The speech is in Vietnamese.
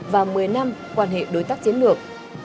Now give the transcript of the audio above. với việt nam quan hệ đối tác chiến lược